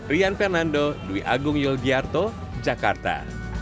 rian fernando dwi agung yuldiarto jakarta